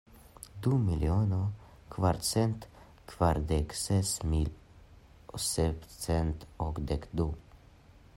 Du miliono, kvarcent kvardek ses mil, sepcent okdek du.